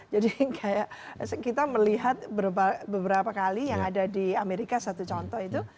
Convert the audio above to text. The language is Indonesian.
jadi kayak kita melihat beberapa kali yang ada di amerika satu contoh itu